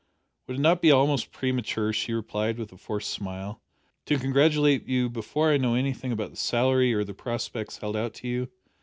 "Would it not be almost premature," she replied, with a forced smile, "to congratulate you before I know anything about the salary or the prospects held out to you?